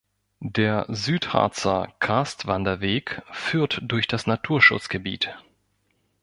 Der Südharzer Karstwanderweg führt durch das Naturschutzgebiet.